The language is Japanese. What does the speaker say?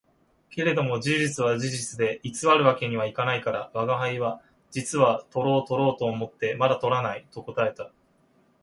けれども事実は事実で偽る訳には行かないから、吾輩は「実はとろうとろうと思ってまだ捕らない」と答えた